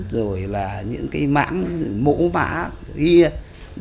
rồi là những cái mẫm mẫu mã ghiêng